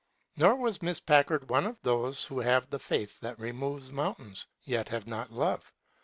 Nor was Miss Packard one of those who have " the faith that re moves mountains'* yet "have not love."